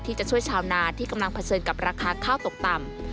ที่จะช่วยชาวนาที่กำลังเผชิญกับราคาข้าวตกต่ำ